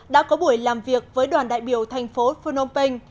đã có buổi làm việc với đoàn đại biểu thành phố phnom penh